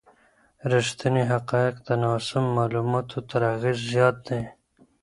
ریښتیني حقایق د ناسمو معلوماتو تر اغېز زیات دي.